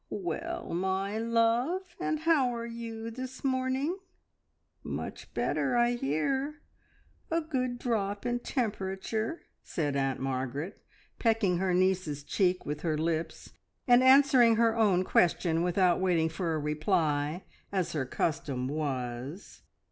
"Well, my love, and how are you this morning? Much better, I hear. A good drop in temperature," said Aunt Margaret, pecking her niece's cheek with her lips, and answering her own question without waiting for a reply, as her custom was.